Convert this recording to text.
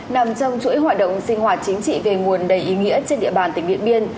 nằm trong chuỗi hoạt động sinh hoạt chính trị về nguồn đầy ý nghĩa trên địa bàn tỉnh điện biên